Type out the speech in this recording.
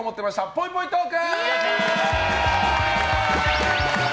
ぽいぽいトーク！